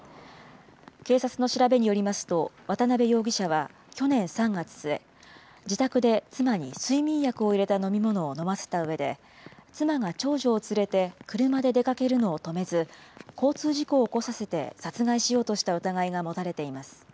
警察の調べによりますと、渡辺容疑者は去年３月末、自宅で妻に睡眠薬を入れた飲み物を飲ませたうえで、妻が長女を連れて車で出かけるのを止めず、交通事故を起こさせて、殺害しようとした疑いが持たれています。